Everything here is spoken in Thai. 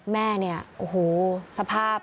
แม่เนี่ยโอ้โหสภาพ